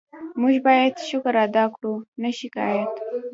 موږ باید شکر ادا کړو، نه شکایت.